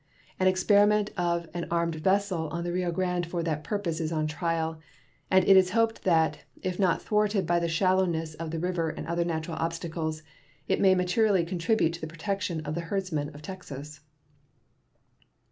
An experiment of an armed vessel on the Rio Grande for that purpose is on trial, and it is hoped that, if not thwarted by the shallowness of the river and other natural obstacles, it may materially contribute to the protection of the herdsmen of Texas.